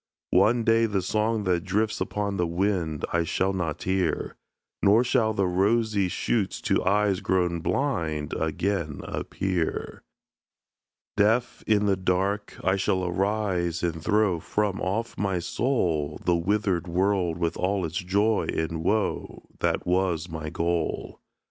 One day the song that drifts upon the wind, I shall not hear; Nor shall the rosy shoots to eyes grown blind Again appear. Deaf, in the dark, I shall arise and throw From off my soul, The withered world with all its joy and woe, That was my goal.